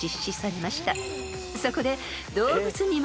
［そこで］